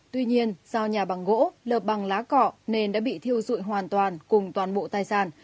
tuy nhiên do nhà bằng gỗ lợp bằng lá cọ nên đã bị thiêu dụi hoàn toàn cùng toàn bộ tài sản